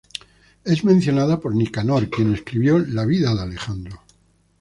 Es mencionada por Nicanor, quien escribió la vida de Alejandro.